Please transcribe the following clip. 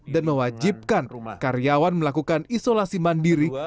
dan mewajibkan karyawan melakukan isolasi mandiri